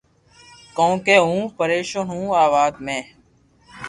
ڪون ڪي ھون پريݾون ھون آ وات ۾